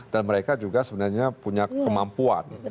dan mereka juga sebenarnya punya kemampuan